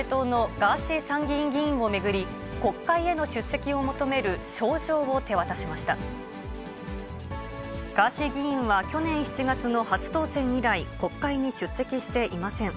ガーシー議員は去年７月の初当選以来、国会に出席していません。